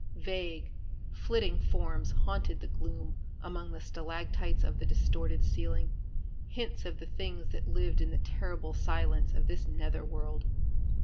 Vague, flitting forms haunted the gloom among the stalactites of the distorted ceiling hints of the things that lived in the terrible silence of this nether world.